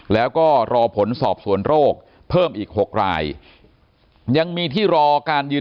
แล้วก็รอผลสอบส่วนโรคเพิ่มอีก๖ราย